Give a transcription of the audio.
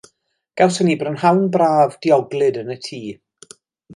Gawson ni brynhawn braf, dioglyd yn y tŷ.